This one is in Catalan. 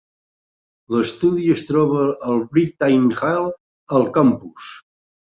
L'estudi es troba al Brittain Hall, al campus.